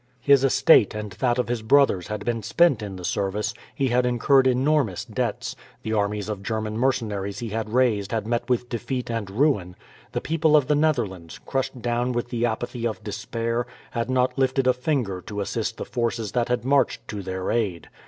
His estate and that of his brothers had been spent in the service; he had incurred enormous debts; the armies of German mercenaries he had raised had met with defeat and ruin; the people of the Netherlands, crushed down with the apathy of despair, had not lifted a finger to assist the forces that had marched to their aid.